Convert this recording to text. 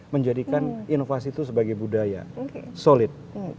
menjadikan inovasi itu sebagai budaya solid